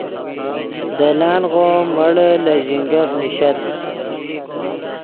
دے لانغو ام مڑے لے ژینگف نیشت